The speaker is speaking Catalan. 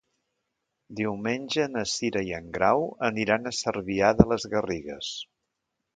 Diumenge na Cira i en Grau aniran a Cervià de les Garrigues.